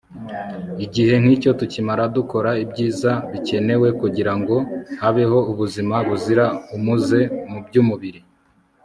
igihe nk'icyo tukimara dukora ibyiza bikenewe kugira ngo habeho ubuzima buzira umuze mu by'umubiri